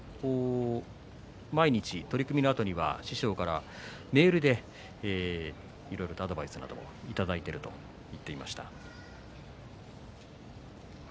毎日、取組後には師匠からメールでいろいろとアドバイスをいただいているということを言っています。